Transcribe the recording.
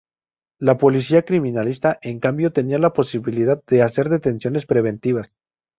La policía criminalista en cambio tenía la posibilidad de hacer detenciones preventivas.